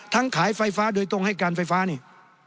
ขายไฟฟ้าโดยตรงให้การไฟฟ้านี่